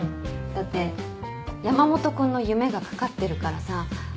だって山本君の夢が懸かってるからさ。